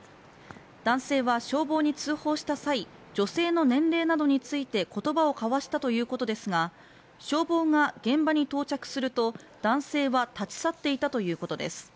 男性は消防に通報した際女性の年齢などについて言葉を交わしたということですが消防が現場に到着すると男性は立ち去っていたということです